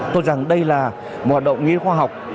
tôi rằng đây là một hoạt động nghiên khoa học